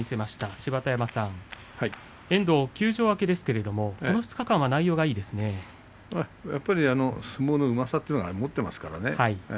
芝田山さん、遠藤休場明けですが相撲のうまさというのは持っていますからね。